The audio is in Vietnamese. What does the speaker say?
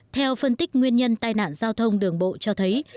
theo phân tích nguyên nhân tai nạn giao thông đường bộ cho thấy